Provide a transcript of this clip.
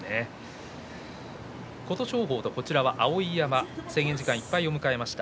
琴勝峰と碧山制限時間いっぱいを迎えました。